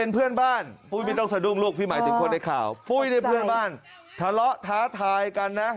ปู้ยเป็นเพื่อนบ้าน